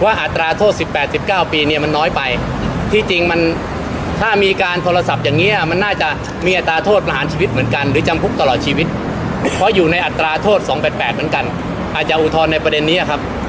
อัตราโทษ๑๘๑๙ปีเนี่ยมันน้อยไปที่จริงมันถ้ามีการโทรศัพท์อย่างนี้มันน่าจะมีอัตราโทษประหารชีวิตเหมือนกันหรือจำคุกตลอดชีวิตเพราะอยู่ในอัตราโทษ๒๘๘เหมือนกันอาจจะอุทธรณ์ในประเด็นนี้ครับ